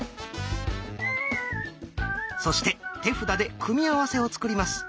そして手札で組み合わせをつくります。